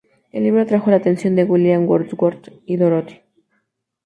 El libro atrajo la atención de William Wordsworth y Dorothy.